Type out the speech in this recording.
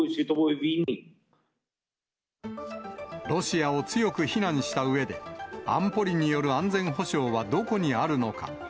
ロシアを強く非難したうえで、安保理による安全保障はどこにあるのか。